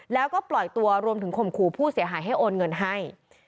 แล้วก็ปล่อยตัวรวมถึงข่มขู่ผู้เสียหายให้โอนเงินให้